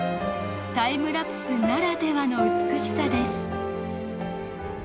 タイムラプスならではの美しさです。